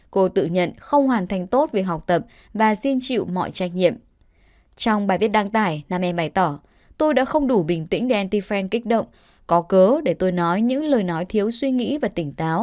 cô tự nhận không hoàn thành tốt việc học tập và xin chịu mọi trách nhiệm